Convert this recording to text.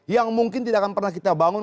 yang mungkin tidak akan pernah kita bangun